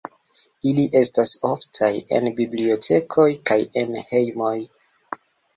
Ili estas oftaj en bibliotekoj kaj en hejmoj.